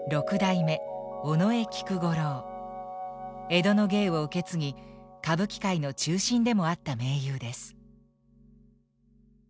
江戸の芸を受け継ぎ歌舞伎界の中心でもあった名優です。